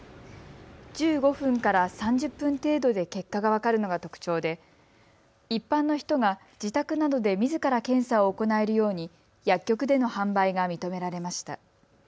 １５分から３０分程度で結果が分かるのが特徴で一般の人が自宅などでみずから検査を行えるように薬局での販売が認められました。